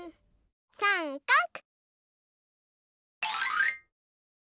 さんかく！